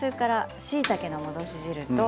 しいたけの戻し汁です。